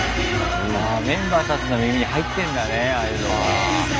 メンバーたちの耳に入ってんだねああいうのが。